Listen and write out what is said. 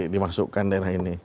dimasukkan daerah ini